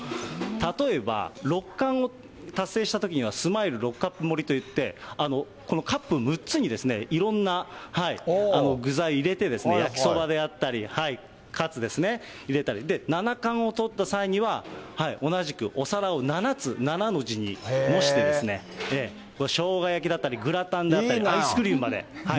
例えば、六冠を達成したときには、スマイル六カップ盛りといって、このカップ６つに、いろんな具材入れてですね、焼そばであったり、カツですね、入れたり、で、七冠を取った際には、同じくお皿を７つ、７の字に模して、しょうが焼きだったり、グラタンだったり、アイスクリームまで。